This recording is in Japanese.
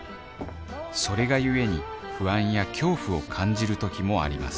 それがゆえに不安や恐怖を感じる時もあります